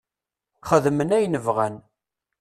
Xeddmen ayen bɣan.